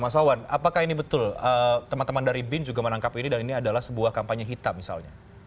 mas awan apakah ini betul teman teman dari bin juga menangkap ini dan ini adalah sebuah kampanye hitam misalnya